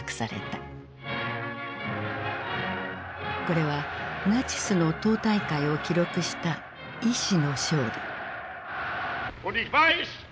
これはナチスの党大会を記録した「意志の勝利」。